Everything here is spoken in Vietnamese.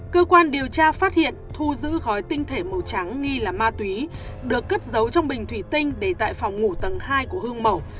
cơ quan điều tra phát hiện thu giữ gói tinh thể màu trắng nghi là ma túy được cất giấu trong bình thủy tinh để tại phòng ngủ tầng hai của hương mầu